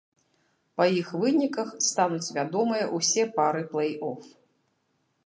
Па іх выніках стануць вядомыя ўсе пары плэй-оф.